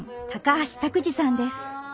橋拓児さんです